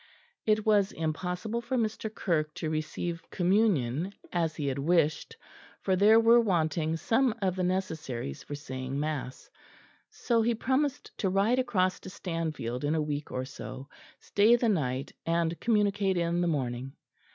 It was impossible for Mr. Kirke to receive communion, as he had wished, for there were wanting some of the necessaries for saying mass; so he promised to ride across to Stanfield in a week or so, stay the night and communicate in the morning.